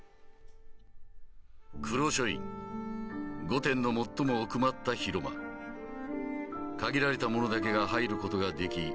御殿の最も奥まった広間限られた者だけが入ることができ